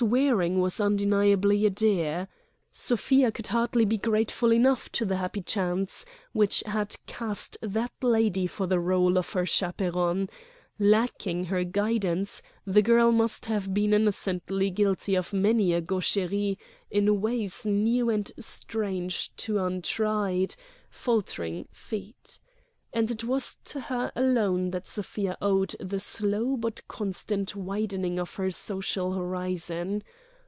Waring was undeniably a dear. Sofia could hardly be grateful enough to the happy chance which had cast that lady for the rôle of her chaperone; lacking her guidance the girl must have been innocently guilty of many a gaucherie in ways new and strange to untried, faltering feet. And it was to her alone that Sofia owed the slow but constant widening of her social horizon.